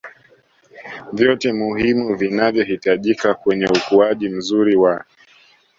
vyote muhimu vinavyohitajika kwenye ukuaji mzuri wa